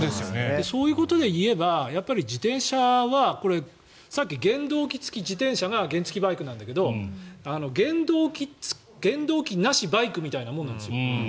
そういうことで言えばやっぱり、自転車は原動機付自転車が原付きバイクなんだけど原動機なしバイクみたいなものなんですよ。